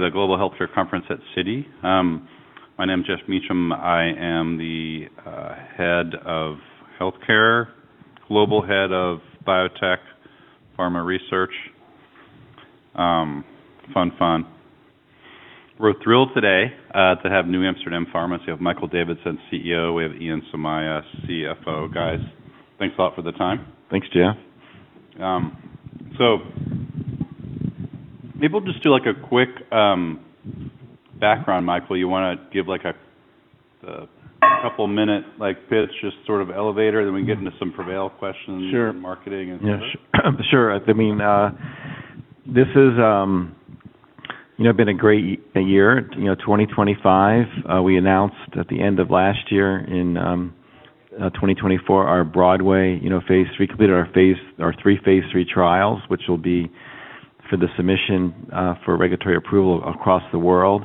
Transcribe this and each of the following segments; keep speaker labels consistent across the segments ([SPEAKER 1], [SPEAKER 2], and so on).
[SPEAKER 1] Yeah, the Global Healthcare Conference at Citi. My name's Geoff Meacham. I am the head of healthcare, global head of biotech, pharma research. Fun, fun. We're thrilled today to have NewAmsterdam Pharma. So we have Michael Davidson, CEO. We have Ian Somaiya, CFO. Guys, thanks a lot for the time. Thanks, Jia. So maybe we'll just do a quick background, Michael. You want to give a couple-minute pitch, just sort of elevator, then we can get into some PREVAIL questions and marketing and sure.
[SPEAKER 2] Sure. I mean, this has been a great year. 2025, we announced at the end of last year in 2024, our BROADWAY phase 3. We completed our three phase 3 trials, which will be for the submission for regulatory approval across the world,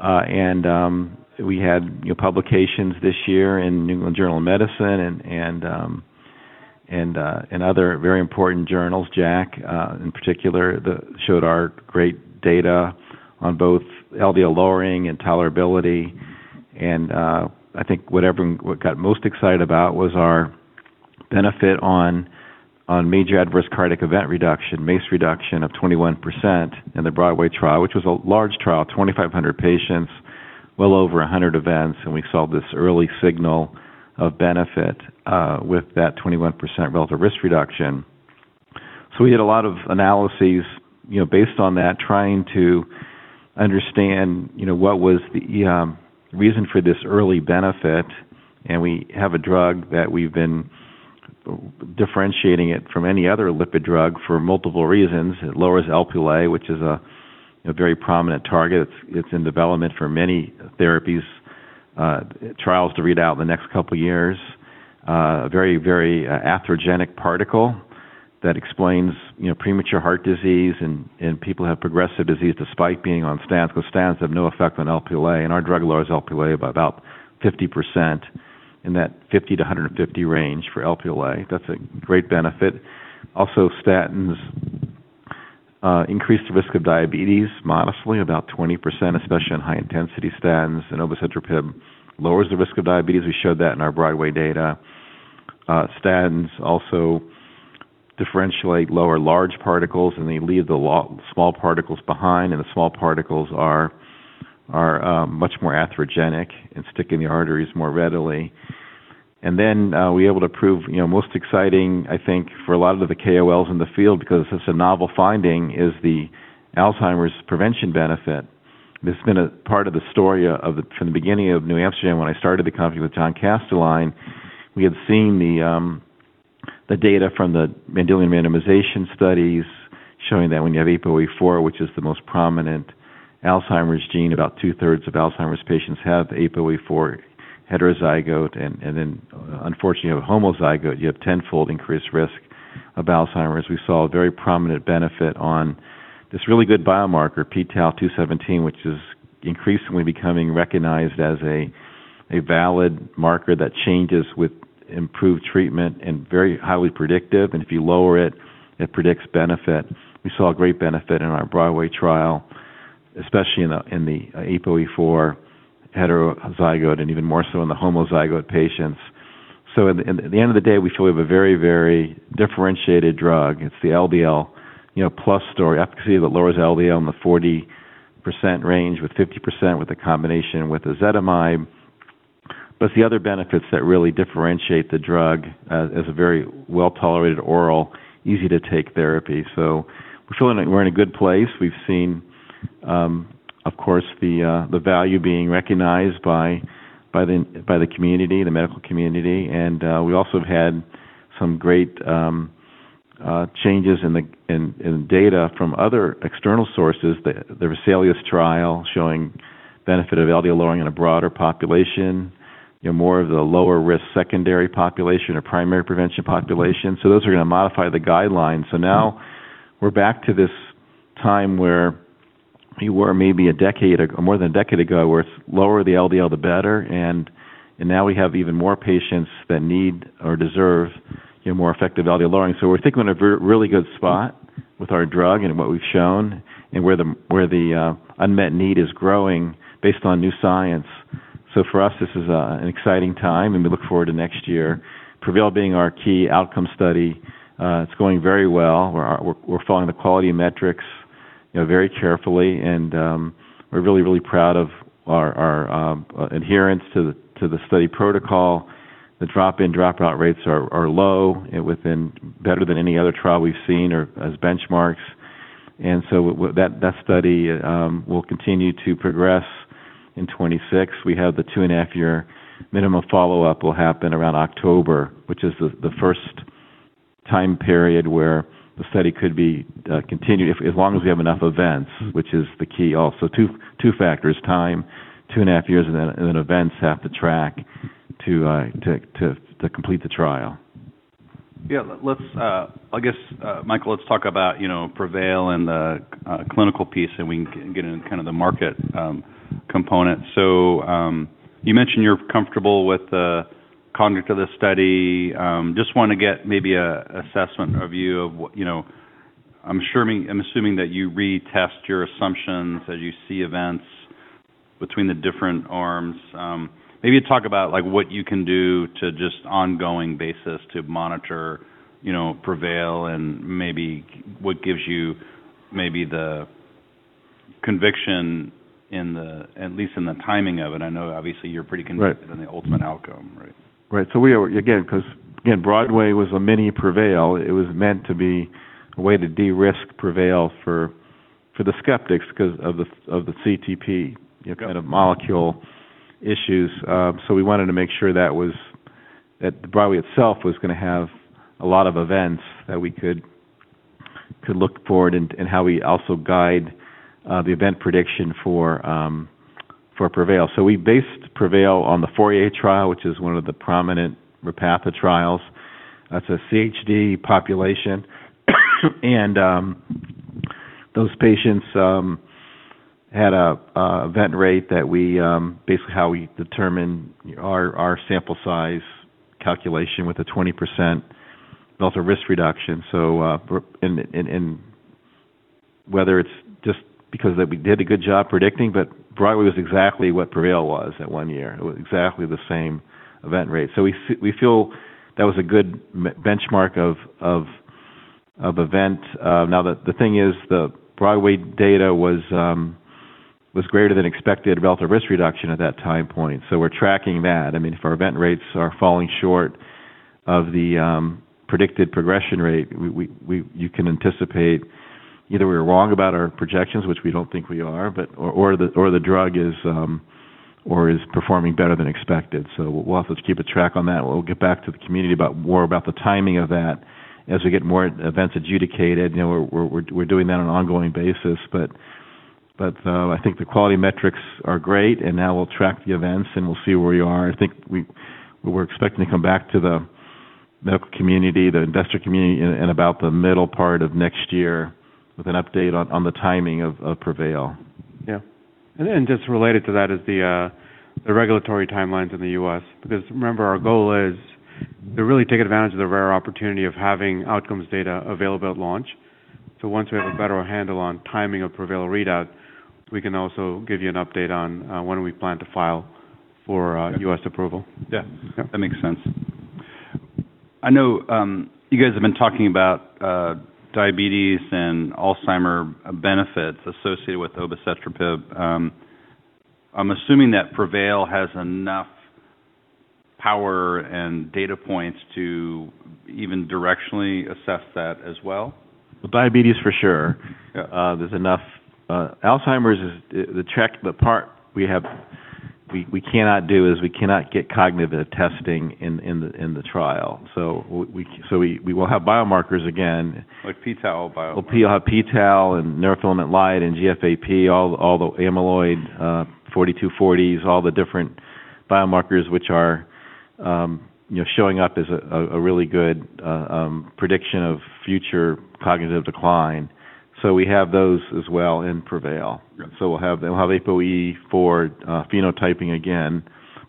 [SPEAKER 2] and we had publications this year in New England Journal of Medicine and other very important journals. JACC, in particular, showed our great data on both LDL lowering and tolerability, and I think what everyone got most excited about was our benefit on major adverse cardiac event reduction, MACE reduction of 21% in the BROADWAY trial, which was a large trial, 2,500 patients, well over 100 events, and we saw this early signal of benefit with that 21% relative risk reduction, so we did a lot of analyses based on that, trying to understand what was the reason for this early benefit. We have a drug that we've been differentiating from any other lipid drug for multiple reasons. It lowers Lp(a), which is a very prominent target. It's in development for many therapies trials to read out in the next couple of years. A very, very atherogenic particle that explains premature heart disease and people have progressive disease despite being on statins, because statins have no effect on Lp(a). And our drug lowers Lp(a) by about 50% in that 50-150 range for Lp(a). That's a great benefit. Also, statins increase the risk of diabetes modestly, about 20%, especially on high-intensity statins. And obicetrapib lowers the risk of diabetes. We showed that in our BROADWAY data. Statins also differentiate lower large particles, and they leave the small particles behind. And the small particles are much more atherogenic and stick in the arteries more readily. And then we were able to prove, most exciting, I think, for a lot of the KOLs in the field, because it's a novel finding, is the Alzheimer's prevention benefit. This has been a part of the story from the beginning of NewAmsterdam when I started the company with John Kastelein. We had seen the data from the Mendelian randomization studies showing that when you have APOE4, which is the most prominent Alzheimer's gene, about two-thirds of Alzheimer's patients have APOE4 heterozygote. And then, unfortunately, you have a homozygote, you have tenfold increased risk of Alzheimer's. We saw a very prominent benefit on this really good biomarker, p-Tau217, which is increasingly becoming recognized as a valid marker that changes with improved treatment and very highly predictive. And if you lower it, it predicts benefit. We saw a great benefit in our BROADWAY trial, especially in the APOE4 heterozygote and even more so in the homozygote patients. So at the end of the day, we feel we have a very, very differentiated drug. It's the LDL plus story, efficacy that lowers LDL in the 40% range with 50% with a combination with ezetimibe. But it's the other benefits that really differentiate the drug as a very well-tolerated oral, easy-to-take therapy. So we're in a good place. We've seen, of course, the value being recognized by the community, the medical community. And we also have had some great changes in data from other external sources. There was a VESALIUS trial showing benefit of LDL lowering in a broader population, more of the lower-risk secondary population or primary prevention population. So those are going to modify the guidelines. So, now we're back to this time where we were maybe more than a decade ago where lower the LDL, the better. And now we have even more patients that need or deserve more effective LDL lowering. So, we're thinking we're in a really good spot with our drug and what we've shown and where the unmet need is growing based on new science. So, for us, this is an exciting time, and we look forward to next year. PREVAIL being our key outcome study, it's going very well. We're following the quality metrics very carefully, and we're really, really proud of our adherence to the study protocol. The drop-in dropout rates are low, better than any other trial we've seen or as benchmarks. And so that study will continue to progress in 2026. We have the two-and-a-half-year minimum follow-up will happen around October, which is the first time period where the study could be continued as long as we have enough events, which is the key also. Two factors, time, two-and-a-half years, and then events have to track to complete the trial.
[SPEAKER 1] Yeah. I guess, Michael, let's talk about PREVAIL and the clinical piece, and we can get into kind of the market component. So you mentioned you're comfortable with the conduct of this study. Just want to get maybe an assessment of you. I'm assuming that you retest your assumptions as you see events between the different arms. Maybe talk about what you can do to just ongoing basis to monitor PREVAIL and maybe what gives you maybe the conviction, at least in the timing of it. I know, obviously, you're pretty convinced in the ultimate outcome, right?
[SPEAKER 2] Right. So again, because BROADWAY was a mini PREVAIL, it was meant to be a way to de-risk PREVAIL for the skeptics because of the CETP, kind of molecule issues. So we wanted to make sure that BROADWAY itself was going to have a lot of events that we could look for and how we also guide the event prediction for PREVAIL. So we based PREVAIL on the FOURIER trial, which is one of the prominent Repatha trials. That's a CHD population. And those patients had an event rate that we basically how we determined our sample size calculation with a 20%, but also risk reduction. So whether it's just because we did a good job predicting, but BROADWAY was exactly what PREVAIL was that one year. It was exactly the same event rate. So we feel that was a good benchmark of event. Now, the thing is, the BROADWAY data was greater than expected relative risk reduction at that time point, so we're tracking that. I mean, if our event rates are falling short of the predicted progression rate, you can anticipate either we're wrong about our projections, which we don't think we are, or the drug is performing better than expected. So we'll also keep a track on that. We'll get back to the community more about the timing of that as we get more events adjudicated. We're doing that on an ongoing basis, but I think the quality metrics are great, and now we'll track the events, and we'll see where we are. I think we're expecting to come back to the medical community, the investor community, in about the middle part of next year with an update on the timing of PREVAIL.
[SPEAKER 1] Yeah. And then just related to that is the regulatory timelines in the U.S. Because remember, our goal is to really take advantage of the rare opportunity of having outcomes data available at launch. So once we have a better handle on timing of PREVAIL readout, we can also give you an update on when we plan to file for U.S. approval. Yeah. That makes sense. I know you guys have been talking about diabetes and Alzheimer benefits associated with obicetrapib. I'm assuming that PREVAIL has enough power and data points to even directionally assess that as well? Diabetes, for sure. There's enough. Alzheimer's, the part we cannot do is we cannot get cognitive testing in the trial. So we will have biomarkers again.
[SPEAKER 2] Like p-Tau biomarkers.
[SPEAKER 1] We'll have PTAL and neurofilament light and GFAP, all the amyloid 42/40s, all the different biomarkers which are showing up as a really good prediction of future cognitive decline. We have those as well in PREVAIL. We'll have APOE4 phenotyping again.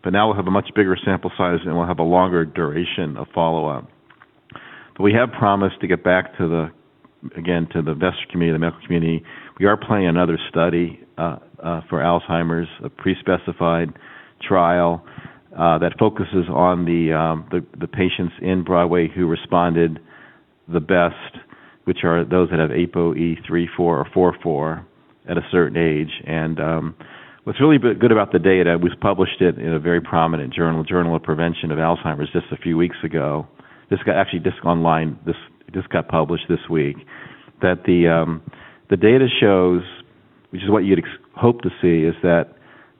[SPEAKER 1] But now we'll have a much bigger sample size, and we'll have a longer duration of follow-up. We have promised to get back, again, to the investor community, the medical community. We are planning another study for Alzheimer's, a pre-specified trial that focuses on the patients in BROADWAY who responded the best, which are those that have APOE 3/4 or 4/4 at a certain age. What's really good about the data, we've published it in a very prominent journal, the Journal of Prevention of Alzheimer's Disease, just a few weeks ago. Actually, this got published this week. The data shows, which is what you'd hope to see, is that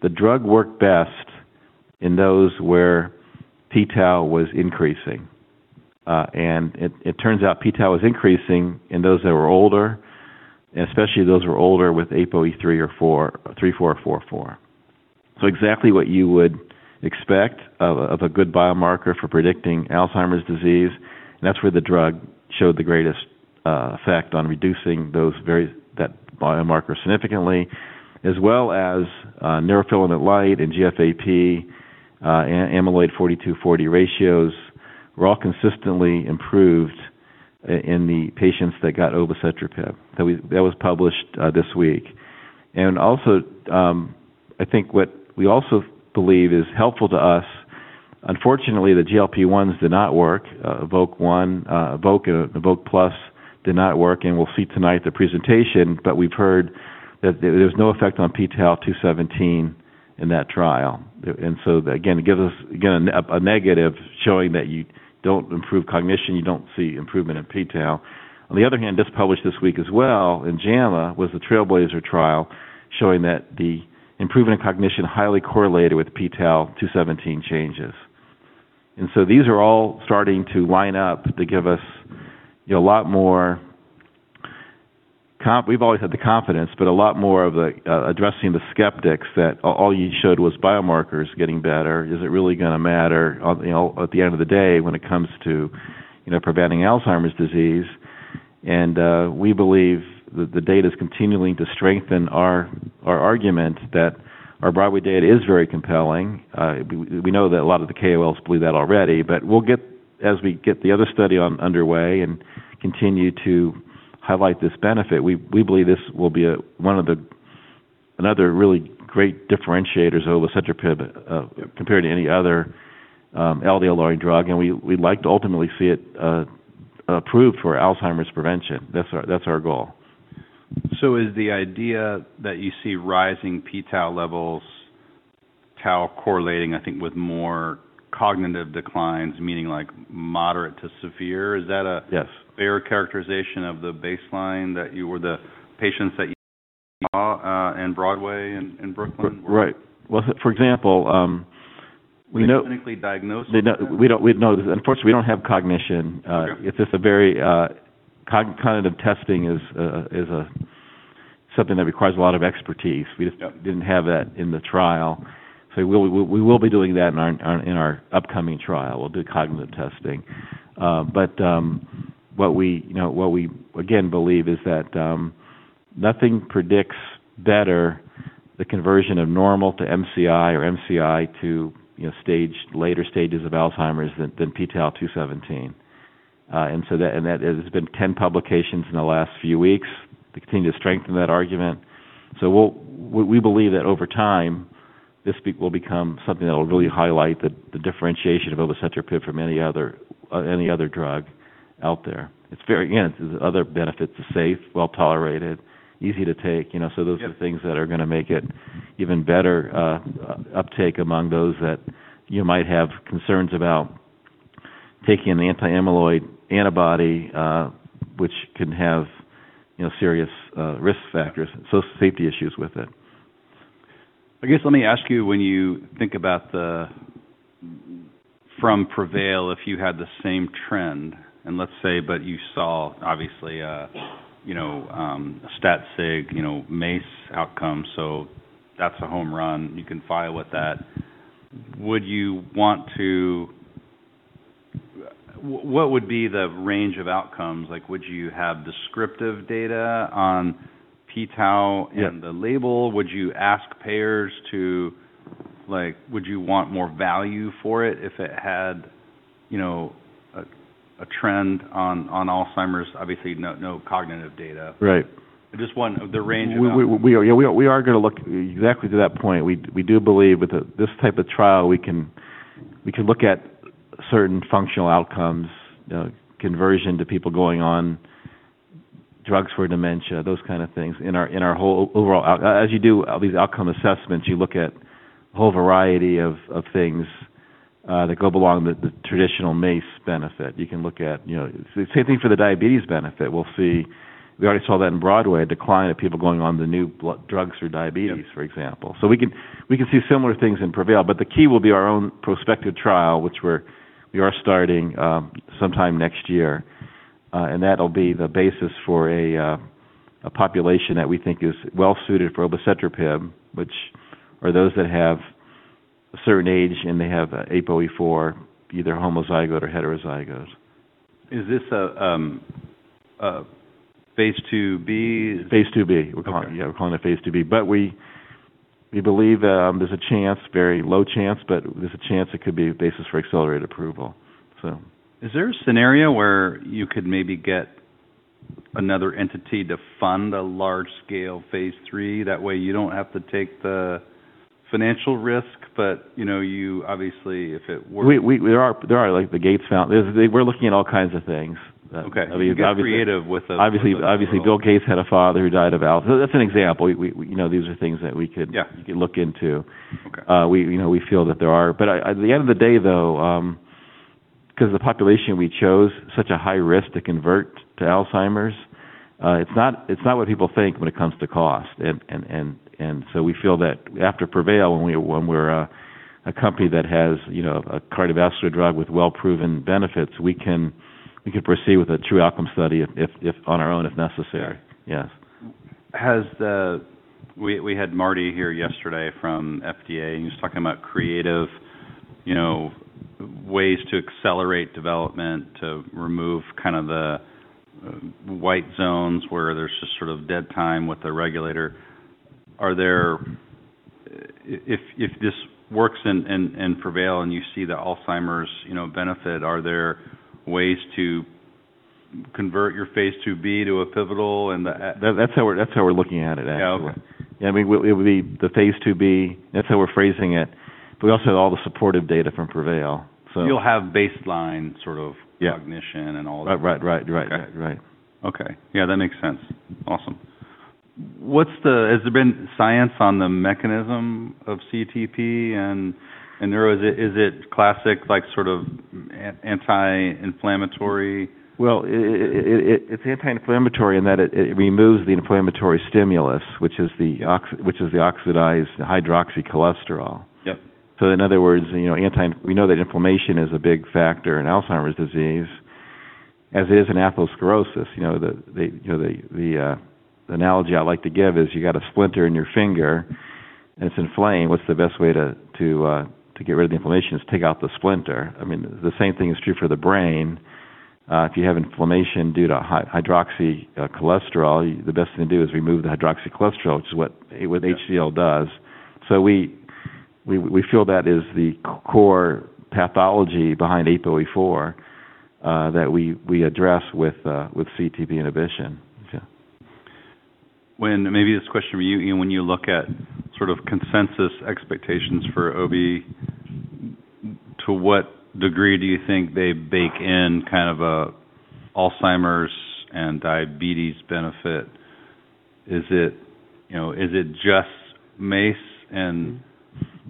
[SPEAKER 1] the drug worked best in those where p-Tau was increasing, and it turns out p-Tau was increasing in those that were older, especially those who were older with APOE 3/4 or 4/4, so exactly what you would expect of a good biomarker for predicting Alzheimer's disease, and that's where the drug showed the greatest effect on reducing that biomarker significantly, as well as neurofilament light and GFAP and amyloid 42/40 ratios were all consistently improved in the patients that got obicetrapib. That was published this week, and also, I think what we also believe is helpful to us, unfortunately, the GLP-1s did not work. EVOKE-1, EVOKE, and EVOKE+ did not work, and we'll see tonight the presentation, but we've heard that there was no effect on p-Tau217 in that trial. And so, again, it gives us, again, a negative showing that you don't improve cognition. You don't see improvement in p-tau. On the other hand, just published this week as well in JAMA was the TRAILBLAZER-ALZ trial showing that the improvement in cognition highly correlated with p-Tau217 changes. And so these are all starting to line up to give us a lot more. We've always had the confidence, but a lot more of addressing the skeptics that all you showed was biomarkers getting better. Is it really going to matter at the end of the day when it comes to preventing Alzheimer's disease? And we believe that the data is continuing to strengthen our argument that our BROADWAY data is very compelling. We know that a lot of the KOLs believe that already. But as we get the other study underway and continue to highlight this benefit, we believe this will be another really great differentiator of obicetrapib compared to any other LDL-lowering drug. And we'd like to ultimately see it approved for Alzheimer's prevention. That's our goal. So is the idea that you see rising p-Tau levels, Tau correlating, I think, with more cognitive declines, meaning like moderate to severe? Is that a fair characterization of the baseline that you were the patients that you saw in BROADWAY in BROOKLYN?
[SPEAKER 2] Right. Well, for example.
[SPEAKER 1] They were clinically diagnosed?
[SPEAKER 2] We know. Unfortunately, we don't have cognition. It's just a very cognitive testing is something that requires a lot of expertise. We just didn't have that in the trial. So we will be doing that in our upcoming trial. We'll do cognitive testing. But what we, again, believe is that nothing predicts better the conversion of normal to MCI or MCI to later stages of Alzheimer's than p-Tau217. And there's been 10 publications in the last few weeks to continue to strengthen that argument. So we believe that over time, this will become something that will really highlight the differentiation of obicetrapib from any other drug out there. Again, the other benefits are safe, well-tolerated, easy to take. So those are the things that are going to make it even better uptake among those that you might have concerns about taking an anti-amyloid antibody, which can have serious risk factors, social safety issues with it.
[SPEAKER 1] I guess let me ask you, when you think about from PREVAIL, if you had the same trend, and let's say, but you saw, obviously, a stat sig MACE outcome, so that's a home run. You can file with that. Would you want to what would be the range of outcomes? Would you have descriptive data on p-tau levels and the label? Would you ask payers to would you want more value for it if it had a trend on Alzheimer's? Obviously, no cognitive data.
[SPEAKER 2] Right.
[SPEAKER 1] I just want the range of outcomes.
[SPEAKER 2] Yeah. We are going to look exactly to that point. We do believe with this type of trial, we can look at certain functional outcomes, conversion to people going on drugs for dementia, those kind of things in our whole overall. As you do all these outcome assessments, you look at a whole variety of things that go along with the traditional MACE benefit. You can look at the same thing for the diabetes benefit. We'll see. We already saw that in BROADWAY, a decline of people going on the new drugs for diabetes, for example. So we can see similar things in Prevail. But the key will be our own prospective trial, which we are starting sometime next year. That'll be the basis for a population that we think is well-suited for obicetrapib, which are those that have a certain age and they have APOE4, either homozygote or heterozygote.
[SPEAKER 1] Is this a phase 2B?
[SPEAKER 2] Phase 2B. Yeah. We're calling it phase 2B. But we believe there's a chance, very low chance, but there's a chance it could be a basis for accelerated approval, so.
[SPEAKER 1] Is there a scenario where you could maybe get another entity to fund a large-scale phase 3? That way, you don't have to take the financial risk, but you, obviously, if it works.
[SPEAKER 2] There are, like, the Gates Foundation. We're looking at all kinds of things.
[SPEAKER 1] Okay. You're creative with.
[SPEAKER 2] Obviously, Bill Gates had a father who died of Alzheimer's. That's an example. These are things that we could look into. We feel that there are. But at the end of the day, though, because the population we chose is such a high risk to convert to Alzheimer's, it's not what people think when it comes to cost. And so we feel that after PREVAIL, when we're a company that has a cardiovascular drug with well-proven benefits, we can proceed with a true outcome study on our own if necessary.
[SPEAKER 1] Yes. We had Marty here yesterday from FDA. He was talking about creative ways to accelerate development to remove kind of the white zones where there's just sort of dead time with the regulator. If this works in PREVAIL and you see the Alzheimer's benefit, are there ways to convert your phase 2B to a pivotal?
[SPEAKER 2] That's how we're looking at it, actually.
[SPEAKER 1] Yeah. Okay.
[SPEAKER 2] Yeah. I mean, it would be the phase 2B. That's how we're phrasing it. But we also have all the supportive data from PREVAIL, so.
[SPEAKER 1] You'll have baseline sort of cognition and all that.
[SPEAKER 2] Right.
[SPEAKER 1] Okay. Yeah. That makes sense. Awesome. Has there been science on the mechanism of CETP? And is it classic sort of anti-inflammatory?
[SPEAKER 2] It's anti-inflammatory in that it removes the inflammatory stimulus, which is the oxidized hydroxycholesterol. So in other words, we know that inflammation is a big factor in Alzheimer's disease, as is in atherosclerosis. The analogy I like to give is you got a splinter in your finger, and it's inflamed. What's the best way to get rid of the inflammation? It's to take out the splinter. I mean, the same thing is true for the brain. If you have inflammation due to hydroxycholesterol, the best thing to do is remove the hydroxycholesterol, which is what HDL does. So we feel that is the core pathology behind APOE4 that we address with CETP inhibition.
[SPEAKER 1] Maybe this question for you. When you look at sort of consensus expectations for OB, to what degree do you think they bake in kind of Alzheimer's and diabetes benefit? Is it just MACE and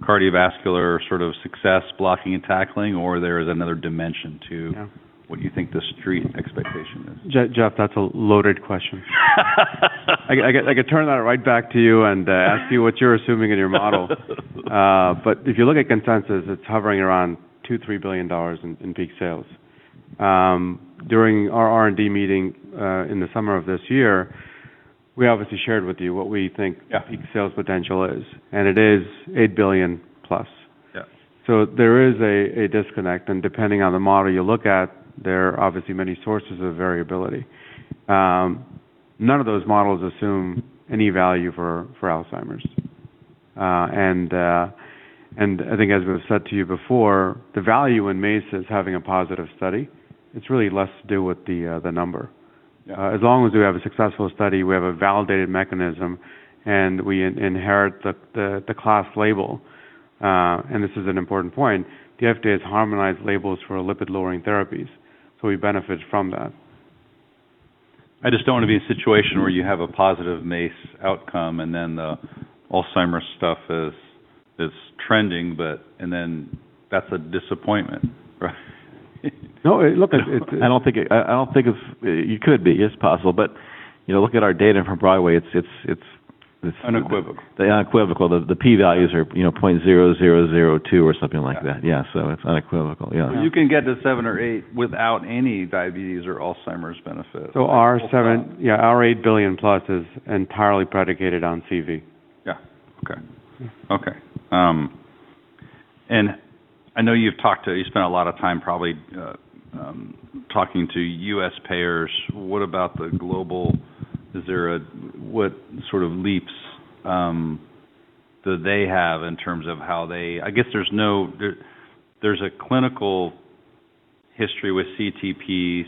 [SPEAKER 1] cardiovascular sort of success blocking and tackling, or there is another dimension to what you think the street expectation is?
[SPEAKER 3] Geoff, that's a loaded question.
[SPEAKER 2] I could turn that right back to you and ask you what you're assuming in your model, but if you look at consensus, it's hovering around $2-3 billion in peak sales. During our R&D meeting in the summer of this year, we obviously shared with you what we think peak sales potential is, and it is $8 billion plus, so there is a disconnect. And depending on the model you look at, there are obviously many sources of variability. None of those models assume any value for Alzheimer's, and I think, as we've said to you before, the value in MACE is having a positive study. It's really less to do with the number. As long as we have a successful study, we have a validated mechanism, and we inherit the class label, and this is an important point. The FDA has harmonized labels for lipid-lowering therapies, so we benefit from that.
[SPEAKER 1] I just don't want to be in a situation where you have a positive MACE outcome and then the Alzheimer's stuff is trending, and then that's a disappointment, right?
[SPEAKER 2] No. Look, I don't think it's. It could be. It's possible, but look at our data from BROADWAY. It's.
[SPEAKER 1] Unequivocal.
[SPEAKER 2] Unequivocal. The P values are 0.0002 or something like that. Yeah. So it's unequivocal. Yeah.
[SPEAKER 1] You can get to seven or eight without any diabetes or Alzheimer's benefit.
[SPEAKER 3] Our 8 billion plus is entirely predicated on CV.
[SPEAKER 1] Yeah. Okay. Okay. And I know you've talked to, you spent a lot of time probably talking to U.S. payers. What about the global? What sort of leaps do they have in terms of how they, I guess there's a clinical history with CETPs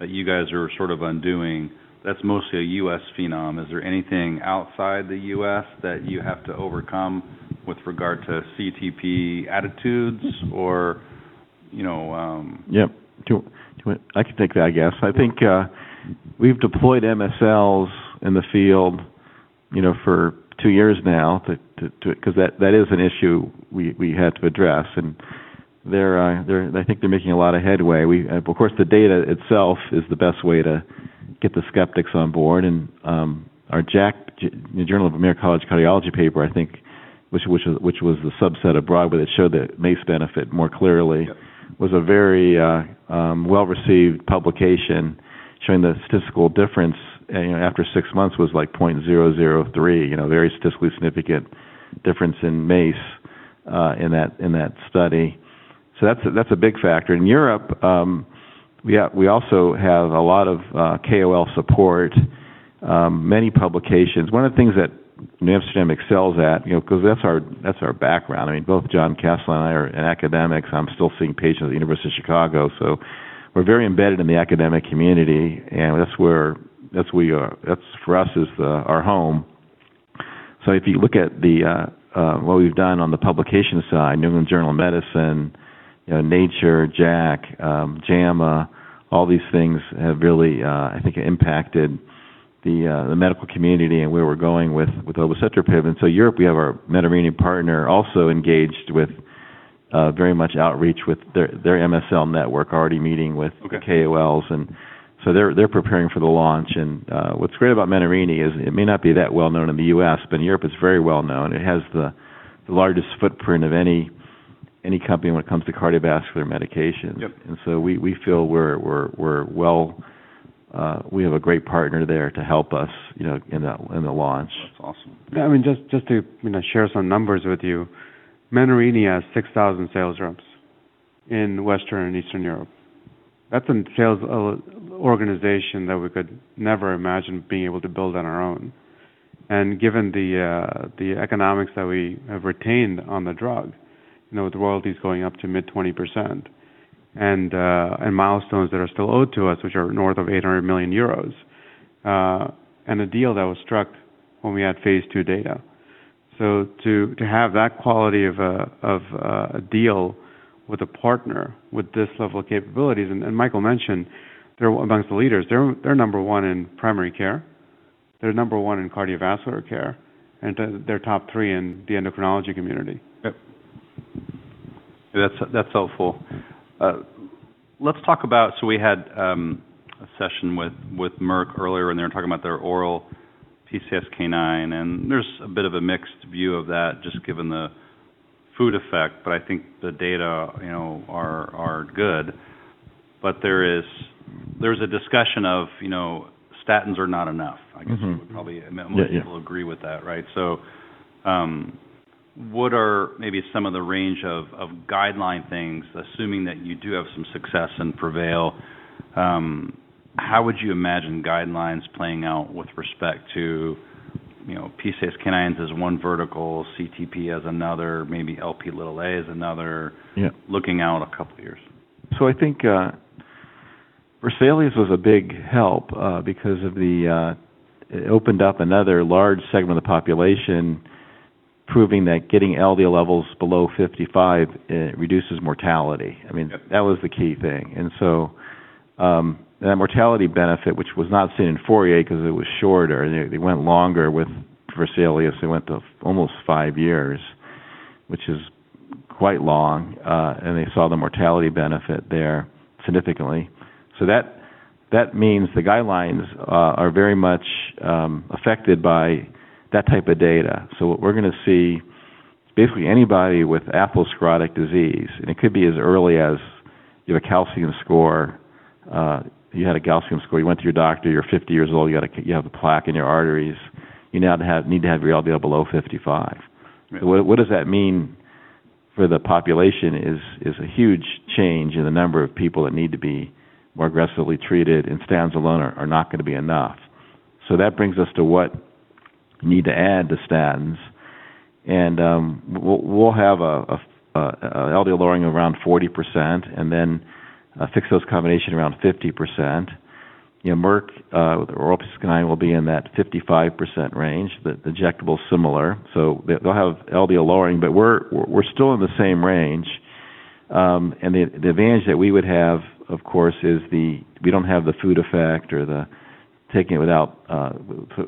[SPEAKER 1] that you guys are sort of undoing. That's mostly a U.S. phenom. Is there anything outside the U.S. that you have to overcome with regard to CETP attitudes or?
[SPEAKER 2] Yeah. I can take that, I guess. I think we've deployed MSLs in the field for two years now because that is an issue we had to address, and I think they're making a lot of headway. Of course, the data itself is the best way to get the skeptics on board, and our JACC, the Journal of the American College of Cardiology paper, I think, which was the subset of BROADWAY that showed that MACE benefit more clearly, was a very well-received publication showing the statistical difference. After six months, it was like 0.003, a very statistically significant difference in MACE in that study, so that's a big factor. In Europe, we also have a lot of KOL support, many publications. One of the things that NewAmsterdam excels at, because that's our background, I mean, both John Kastelein and I are academics. I'm still seeing patients at the University of Chicago. So we're very embedded in the academic community. And that's where we are. That's, for us, is our home. So if you look at what we've done on the publication side, New England Journal of Medicine, Nature, JACC, JAMA, all these things have really, I think, impacted the medical community and where we're going with obicetrapib. And so Europe, we have our Menarini partner also engaged with very much outreach with their MSL network, already meeting with KOLs. And so they're preparing for the launch. And what's great about Menarini is it may not be that well-known in the U.S., but in Europe, it's very well-known. It has the largest footprint of any company when it comes to cardiovascular medications. And so we feel we're well, we have a great partner there to help us in the launch.
[SPEAKER 1] That's awesome.
[SPEAKER 3] I mean, just to share some numbers with you, Menarini has 6,000 sales reps in Western and Eastern Europe. That's a sales organization that we could never imagine being able to build on our own. And given the economics that we have retained on the drug, with royalties going up to mid-20% and milestones that are still owed to us, which are north of 800 million euros, and a deal that was struck when we had phase 2 data. So to have that quality of a deal with a partner with this level of capabilities, and Michael mentioned, they're amongst the leaders. They're number one in primary care. They're number one in cardiovascular care. And they're top three in the endocrinology community.
[SPEAKER 1] Yep. That's helpful. Let's talk about—so we had a session with Merck earlier, and they were talking about their oral PCSK9. And there's a bit of a mixed view of that, just given the food effect. But I think the data are good. But there's a discussion of statins are not enough, I guess. We would probably most people agree with that, right? So what are maybe some of the range of guideline things, assuming that you do have some success in PREVAIL? How would you imagine guidelines playing out with respect to PCSK9s as one vertical, CETP as another, maybe Lp(a) as another, looking out a couple of years?
[SPEAKER 2] So I think VESALIUS was a big help because it opened up another large segment of the population, proving that getting LDL levels below 55 reduces mortality. I mean, that was the key thing. And so that mortality benefit, which was not seen in FOURIER because it was shorter, it went longer with VESALIUS. It went to almost five years, which is quite long. And they saw the mortality benefit there significantly. So that means the guidelines are very much affected by that type of data. So what we're going to see, basically, anybody with atherosclerotic disease, and it could be as early as you have a calcium score. You had a calcium score. You went to your doctor. You're 50 years old. You have a plaque in your arteries. You now need to have your LDL below 55. What does that mean for the population? It is a huge change in the number of people that need to be more aggressively treated, and statins alone are not going to be enough, so that brings us to what we need to add to statins, and we'll have LDL lowering around 40% and then a fixed-dose combination around 50%. Merck, with the oral PCSK9, will be in that 55% range. The injectable is similar, so they'll have LDL lowering, but we're still in the same range, and the advantage that we would have, of course, is we don't have the food effect or the taking it without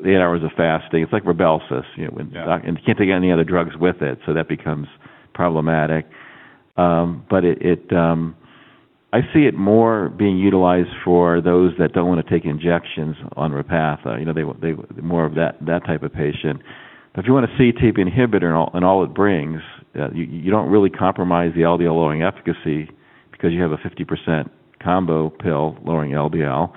[SPEAKER 2] eight hours of fasting. It's like Rybelsus, and you can't take any other drugs with it, so that becomes problematic, but I see it more being utilized for those that don't want to take injections on Repatha, more of that type of patient. If you want a CETP inhibitor and all it brings, you don't really compromise the LDL-lowering efficacy because you have a 50% combo pill lowering LDL,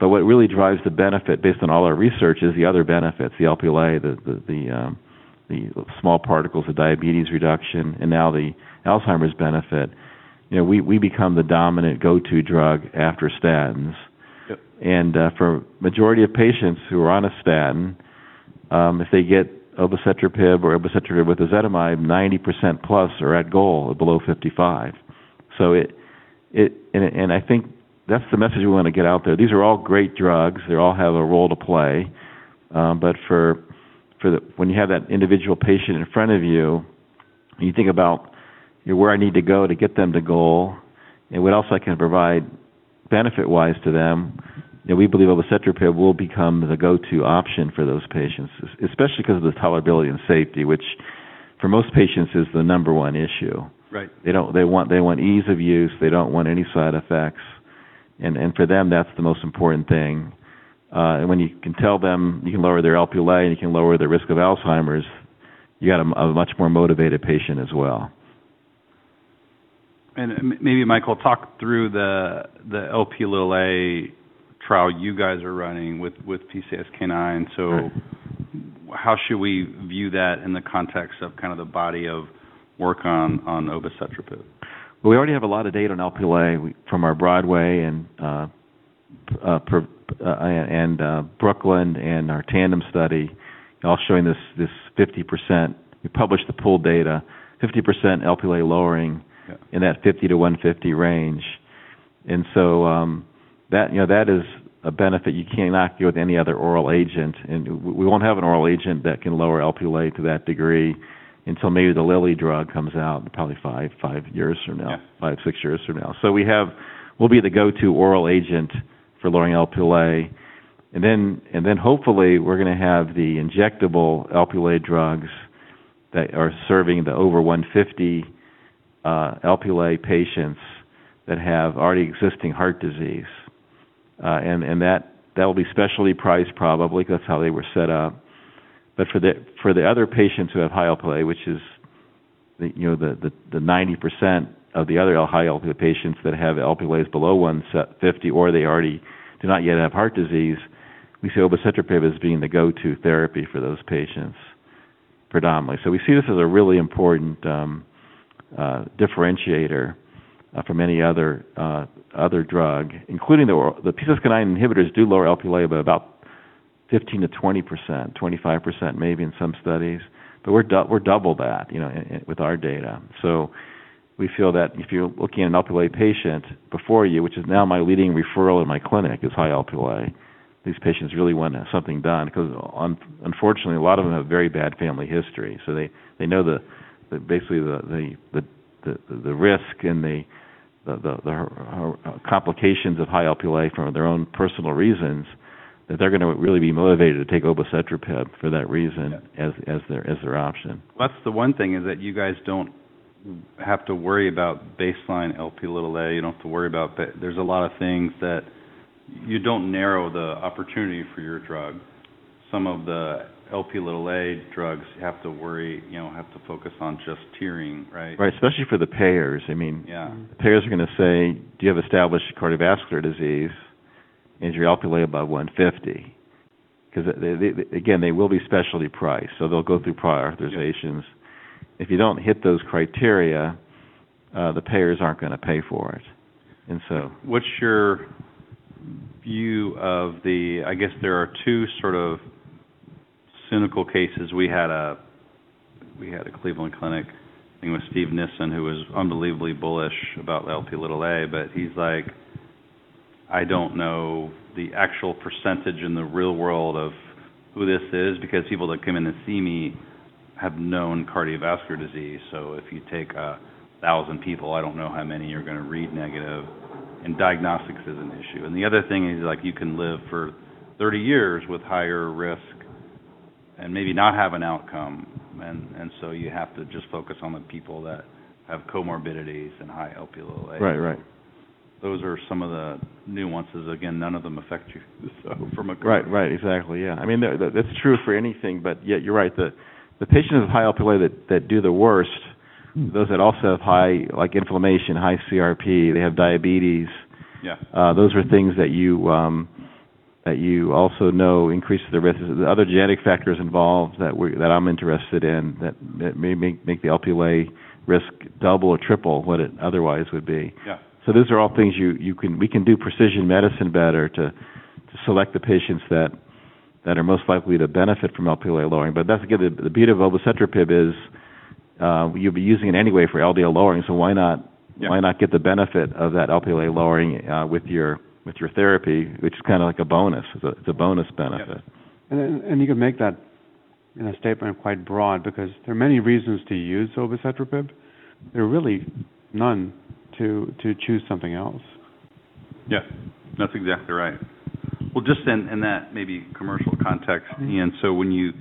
[SPEAKER 2] but what really drives the benefit, based on all our research, is the other benefits: the Lp(a), the small particles, the diabetes reduction, and now the Alzheimer's benefit. We become the dominant go-to drug after statins, and for the majority of patients who are on a statin, if they get obicetrapib or obicetrapib with ezetimibe, 90% plus are at goal of below 55, and I think that's the message we want to get out there. These are all great drugs. They all have a role to play. But when you have that individual patient in front of you, you think about where I need to go to get them to goal and what else I can provide benefit-wise to them. We believe obicetrapib will become the go-to option for those patients, especially because of the tolerability and safety, which for most patients is the number one issue. They want ease of use. They don't want any side effects. And for them, that's the most important thing. And when you can tell them you can lower their Lp(a) and you can lower their risk of Alzheimer's, you got a much more motivated patient as well.
[SPEAKER 1] And maybe, Michael, talk through the Lp(a) trial you guys are running with PCSK9. So how should we view that in the context of kind of the body of work on obicetrapib?
[SPEAKER 2] We already have a lot of data on Lp(a) from our BROADWAY and BROOKLYN and our TANDEM study, all showing this 50%. We published the pool data, 50% Lp(a) lowering in that 50-150 range. And so that is a benefit you cannot do with any other oral agent. And we won't have an oral agent that can lower Lp(a) to that degree until maybe the Lilly drug comes out, probably five years from now, five, six years from now. So we'll be the go-to oral agent for lowering Lp(a). And then hopefully, we're going to have the injectable Lp(a) drugs that are serving the over 150 Lp(a) patients that have already existing heart disease. And that will be specially priced, probably, because that's how they were set up. For the other patients who have high Lp(a), which is the 90% of the other high Lp(a) patients that have Lp(a) below 150 or they already do not yet have heart disease, we see obicetrapib as being the go-to therapy for those patients predominantly. So we see this as a really important differentiator from any other drug, including the PCSK9 inhibitors do lower Lp(a) by about 15%-20%, 25% maybe in some studies. But we're double that with our data. So we feel that if you're looking at an Lp(a) patient before you, which is now my leading referral in my clinic, is high Lp(a), these patients really want something done because, unfortunately, a lot of them have very bad family history. So they know basically the risk and the complications of high Lp(a) for their own personal reasons, that they're going to really be motivated to take obicetrapib for that reason as their option.
[SPEAKER 1] That's the one thing is that you guys don't have to worry about baseline Lp(a). You don't have to worry about there's a lot of things that you don't narrow the opportunity for your drug. Some of the Lp(a) drugs have to worry, have to focus on just tiering, right?
[SPEAKER 2] Right. Especially for the payers. I mean, payers are going to say, "Do you have established cardiovascular disease? Is your Lp(a) above 150?" Because, again, they will be specially priced. So they'll go through prior authorizations. If you don't hit those criteria, the payers aren't going to pay for it. And so.
[SPEAKER 1] What's your view of the? I guess there are two sort of cynical cases. We had a Cleveland Clinic with Steve Nissen, who was unbelievably bullish about Lp(a), but he's like, "I don't know the actual percentage in the real world of who this is because people that come in to see me have known cardiovascular disease. So if you take 1,000 people, I don't know how many you're going to read negative." And diagnostics is an issue. And the other thing is you can live for 30 years with higher risk and maybe not have an outcome. And so you have to just focus on the people that have comorbidities and high Lp(a).
[SPEAKER 2] Right, right.
[SPEAKER 1] Those are some of the nuances. Again, none of them affect you from a clinical.
[SPEAKER 2] Right, right. Exactly. Yeah. I mean, that's true for anything, but yeah, you're right. The patients with high Lp(a) that do the worst, those that also have high inflammation, high CRP, they have diabetes, those are things that you also know increase their risk. The other genetic factors involved that I'm interested in that may make the Lp(a) risk double or triple what it otherwise would be. So those are all things we can do precision medicine better to select the patients that are most likely to benefit from Lp(a) lowering. But that's again, the beauty of obicetrapib is you'll be using it anyway for LDL lowering. So why not get the benefit of that Lp(a) lowering with your therapy, which is kind of like a bonus. It's a bonus benefit.
[SPEAKER 3] You can make that statement quite broad because there are many reasons to use obicetrapib. There are really none to choose something else.
[SPEAKER 1] Yeah. That's exactly right. Just in that maybe commercial context, Ian, so when you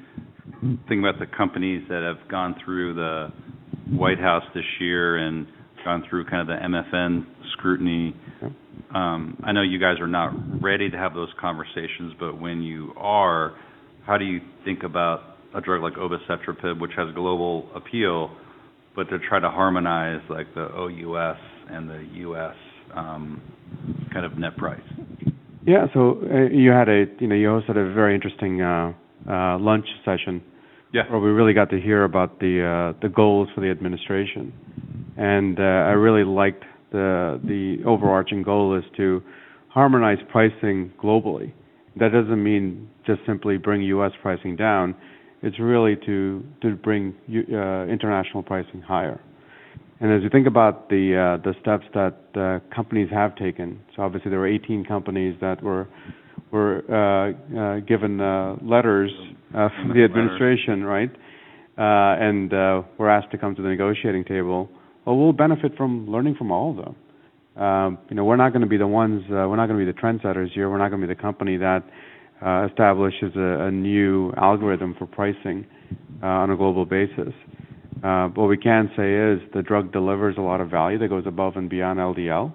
[SPEAKER 1] think about the companies that have gone through the White House this year and gone through kind of the MFN scrutiny, I know you guys are not ready to have those conversations. But when you are, how do you think about a drug like obicetrapib, which has global appeal, but to try to harmonize the OUS and the US kind of net price?
[SPEAKER 3] Yeah. So you hosted a very interesting lunch session where we really got to hear about the goals for the administration. And I really liked the overarching goal is to harmonize pricing globally. That doesn't mean just simply bring U.S. pricing down. It's really to bring international pricing higher. And as you think about the steps that companies have taken, so obviously, there were 18 companies that were given letters from the administration, right, and were asked to come to the negotiating table. Well, we'll benefit from learning from all of them. We're not going to be the ones. We're not going to be the trendsetters here. We're not going to be the company that establishes a new algorithm for pricing on a global basis. What we can say is the drug delivers a lot of value that goes above and beyond LDL.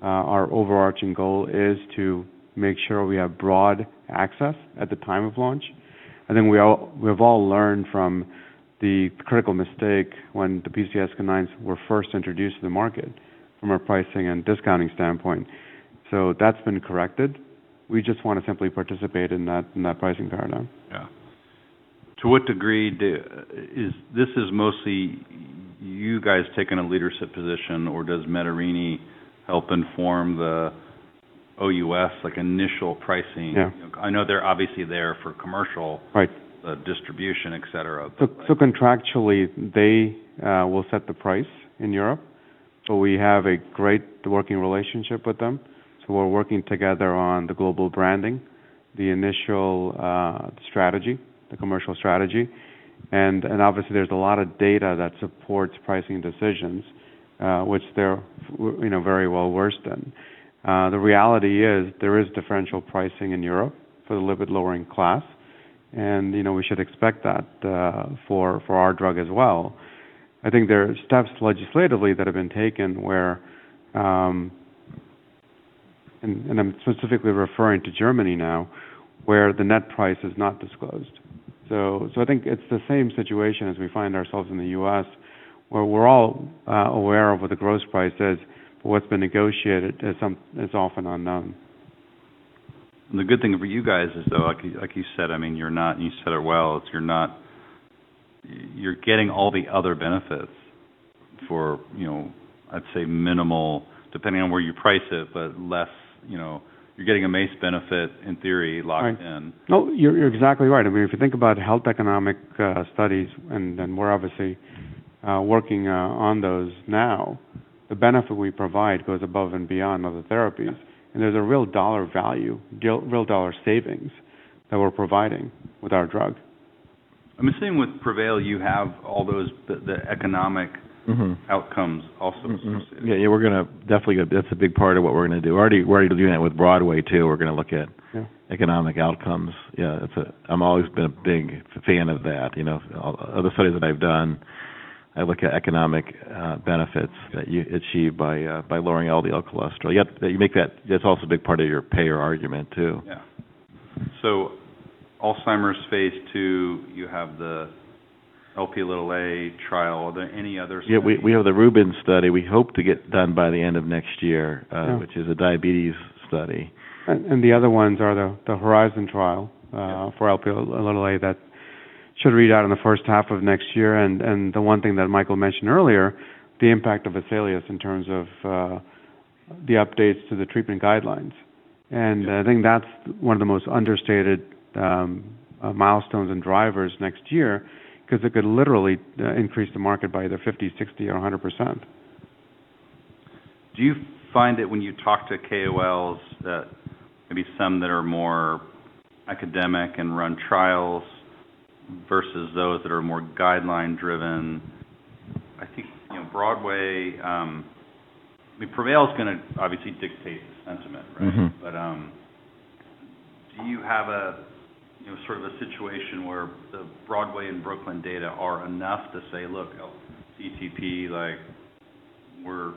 [SPEAKER 3] Our overarching goal is to make sure we have broad access at the time of launch. I think we have all learned from the critical mistake when the PCSK9s were first introduced to the market from a pricing and discounting standpoint. So that's been corrected. We just want to simply participate in that pricing paradigm.
[SPEAKER 1] Yeah. To what degree is this mostly you guys taking a leadership position, or does Menarini help inform the OUS initial pricing? I know they're obviously there for commercial distribution, etc.
[SPEAKER 3] So contractually, they will set the price in Europe. But we have a great working relationship with them. So we're working together on the global branding, the initial strategy, the commercial strategy. And obviously, there's a lot of data that supports pricing decisions, which they're very well versed in. The reality is there is differential pricing in Europe for the lipid-lowering class. And we should expect that for our drug as well. I think there are steps legislatively that have been taken where, and I'm specifically referring to Germany now, where the net price is not disclosed. So I think it's the same situation as we find ourselves in the U.S., where we're all aware of what the gross price is, but what's been negotiated is often unknown.
[SPEAKER 1] The good thing for you guys is, though, like you said, I mean, you're not, and you said it well, you're getting all the other benefits for, I'd say, minimal, depending on where you price it, but less you're getting a MACE benefit, in theory, locked in.
[SPEAKER 3] Right. No, you're exactly right. I mean, if you think about health economic studies, and we're obviously working on those now, the benefit we provide goes above and beyond other therapies, and there's a real dollar value, real dollar savings that we're providing with our drug.
[SPEAKER 1] I'm assuming with Prevail, you have all those economic outcomes also.
[SPEAKER 2] Yeah. Yeah. We're going to definitely get that. That's a big part of what we're going to do. We're already doing that with BROADWAY, too. We're going to look at economic outcomes. Yeah. I've always been a big fan of that. Other studies that I've done, I look at economic benefits that you achieve by lowering LDL cholesterol. Yep. That's also a big part of your payer argument, too.
[SPEAKER 1] Yeah. So Alzheimer's phase II, you have the Lp(a) trial. Are there any other studies?
[SPEAKER 2] Yeah. We have the RUBY study. We hope to get done by the end of next year, which is a diabetes study.
[SPEAKER 3] The other ones are the HORIZON trial for Lp(a) that should read out in the first half of next year. The one thing that Michael mentioned earlier, the impact of ASCELSIUS in terms of the updates to the treatment guidelines. I think that's one of the most understated milestones and drivers next year because it could literally increase the market by either 50%, 60%, or 100%.
[SPEAKER 1] Do you find that when you talk to KOLs, maybe some that are more academic and run trials versus those that are more guideline-driven? I think BROADWAY, I mean, PREVAIL is going to obviously dictate the sentiment, right? But do you have sort of a situation where the BROADWAY and Brooklyn data are enough to say, "Look, CETP, we're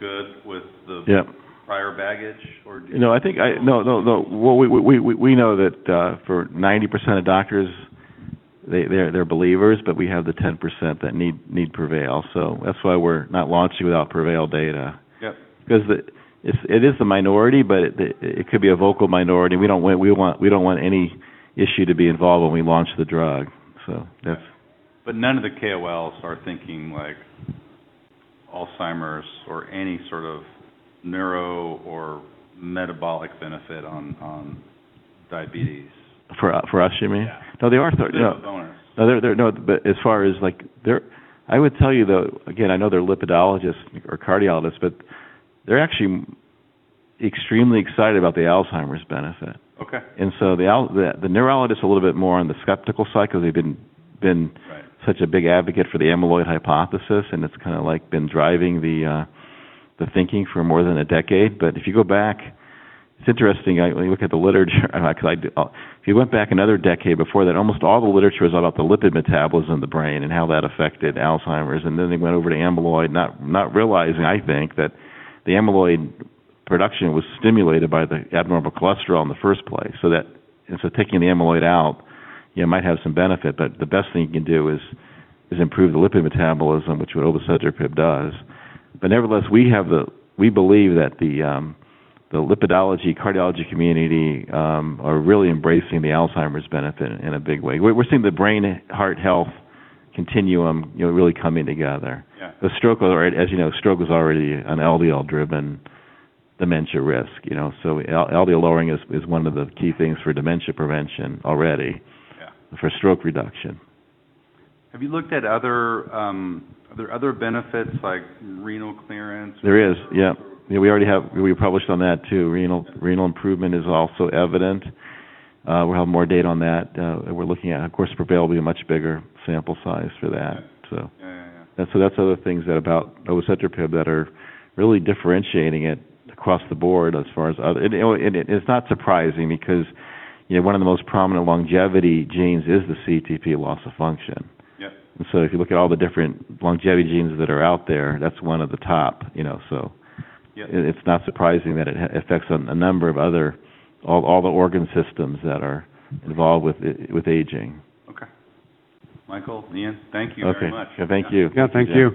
[SPEAKER 1] good with the prior baggage," or do you?
[SPEAKER 2] No. I think no, no, no. We know that for 90% of doctors, they're believers, but we have the 10% that need PREVAIL. So that's why we're not launching without PREVAIL data. Because it is the minority, but it could be a vocal minority. We don't want any issue to be involved when we launch the drug. So that's.
[SPEAKER 1] But none of the KOLs are thinking like Alzheimer's or any sort of neuro or metabolic benefit on diabetes.
[SPEAKER 2] For us, you mean?
[SPEAKER 1] Yeah.
[SPEAKER 2] No, they are third.
[SPEAKER 1] They're the owners.
[SPEAKER 2] No, they're not. But as far as I would tell you, though, again, I know they're lipidologists or cardiologists, but they're actually extremely excited about the Alzheimer's benefit. And so the neurologist is a little bit more on the skeptical side because they've been such a big advocate for the amyloid hypothesis. And it's kind of like been driving the thinking for more than a decade. But if you go back, it's interesting. When you look at the literature because if you went back another decade before that, almost all the literature was about the lipid metabolism in the brain and how that affected Alzheimer's. And then they went over to amyloid, not realizing, I think, that the amyloid production was stimulated by the abnormal cholesterol in the first place. And so taking the amyloid out, you might have some benefit. But the best thing you can do is improve the lipid metabolism, which is what obicetrapib does. But nevertheless, we believe that the lipidology, cardiology community are really embracing the Alzheimer's benefit in a big way. We're seeing the brain-heart-health continuum really coming together. As you know, stroke is already an LDL-driven dementia risk. So LDL lowering is one of the key things for dementia prevention already for stroke reduction.
[SPEAKER 1] Have you looked at other benefits like renal clearance?
[SPEAKER 2] There is. Yeah. We already have. We published on that, too. Renal improvement is also evident. We'll have more data on that. We're looking at, of course, PREVAIL will be a much bigger sample size for that. So that's other things about obicetrapib that are really differentiating it across the board as far as, and it's not surprising because one of the most prominent longevity genes is the CETP loss of function. And so if you look at all the different longevity genes that are out there, that's one of the top. So it's not surprising that it affects a number of other all the organ systems that are involved with aging.
[SPEAKER 1] Okay. Michael, Ian, thank you very much.
[SPEAKER 2] Okay. Thank you.
[SPEAKER 3] Yeah. Thank you.